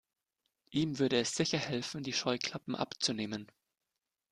Ihm würde es sicher helfen, die Scheuklappen abzunehmen.